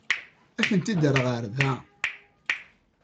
Ad kent-id-rreɣ ɣer da.